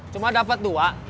cuma dapat dua